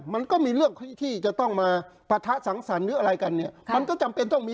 มันก็มีเรื่องที่จะต้องมาปะทะสังสรรค์หรืออะไรกันเนี่ยมันก็จำเป็นต้องมี